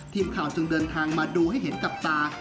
ทีมข่าวจึงเดินทางมาดูให้เห็นกับตา